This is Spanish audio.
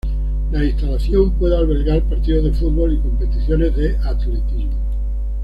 La instalación puede albergar partidos de fútbol y competiciones de atletismo.